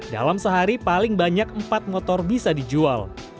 dalam sehari paling banyak empat motor bisa dijual